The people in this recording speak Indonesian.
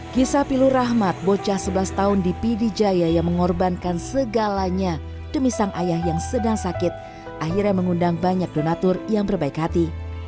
kisah pilu rahmat bocah sebelas tahun di pidijaya yang mengorbankan segalanya demi sang ayah yang sedang sakit akhirnya mengundang banyak donatur yang berbaik hati